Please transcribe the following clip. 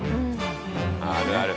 あるある！